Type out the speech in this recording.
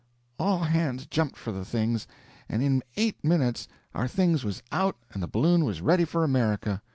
All hands jumped for the things, and in eight minutes our things was out and the balloon was ready for America.